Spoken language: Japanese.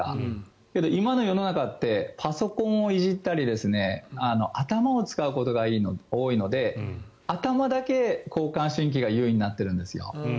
だけど、今の世の中ってパソコンをいじったりとか頭を使うことが多いので頭だけ交感神経が優位になってるんですよ。